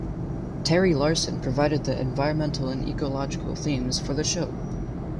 Terry Larsen provided the environmental and ecological themes for the show.